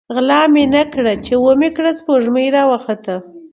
ـ غله مې نه کړه ،چې ومې کړه سپوږمۍ راوخته.